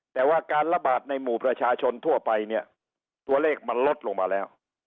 แต่ว่าการระบาดในหมู่ประชาชนทั่วไปเนี่ยตัวเลขมันลดลงมาแล้ว